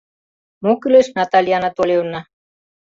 Мо кӱлеш, Наталья Анатольевна?